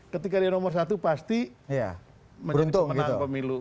ketika dia nomor satu pasti menang pemilu